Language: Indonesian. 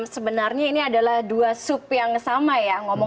sebenarnya ini adalah dua sup yang sama ya